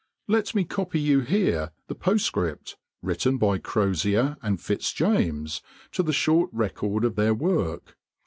Let me copy for you here the postscript, written by Crozier and Fitzjames, to the short record of their work.